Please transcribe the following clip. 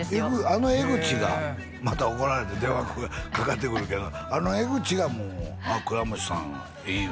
あの江口がまた怒られて電話かかってくるけどあの江口がもう「倉持さんいい」